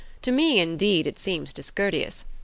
To me, indeed, it seems discourteous.